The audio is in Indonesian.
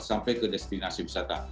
sampai ke destinasi wisata